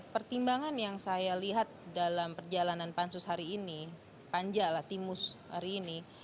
pertimbangan yang saya lihat dalam perjalanan pansus hari ini panja lah timus hari ini